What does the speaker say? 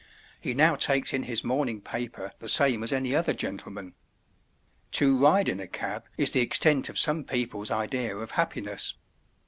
He now takes in his morning paper the same as any other gentleman. To ride in a cab is the extent of some people's idea of happiness.